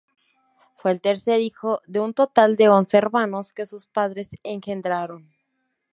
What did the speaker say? Fue el tercer hijo de un total de once hermanos que sus padres engendraron.